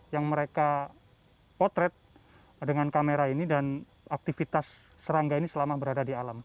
yang mereka potret dengan kamera ini dan aktivitas serangga ini selama berada di alam